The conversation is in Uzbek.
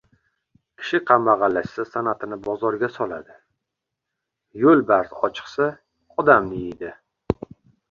• Kishi kambag‘allashsa — san’atini bozorga soladi, yo‘lbars ochiqsa — odamni yeydi.